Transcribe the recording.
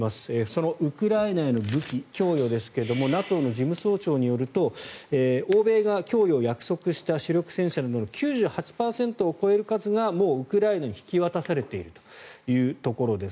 そのウクライナへの武器供与ですがＮＡＴＯの事務総長によると欧米が供与を約束した主力戦車などの９８％を超える数がもうウクライナに引き渡されているというところです。